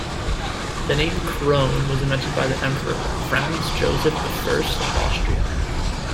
The name "krone" was invented by the emperor, Franz Joseph the First of Austria.